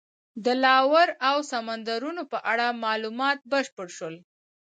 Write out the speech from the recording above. د لارو او سمندرونو په اړه معلومات بشپړ شول.